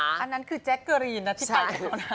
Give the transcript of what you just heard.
อันนั้นคือแจ๊กเกอรีนที่ไปกันตอนนั้น